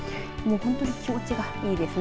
本当に気持ちがいいですね。